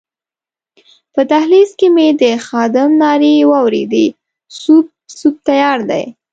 په دهلېز کې مې د خادم نارې واورېدې سوپ، سوپ تیار دی.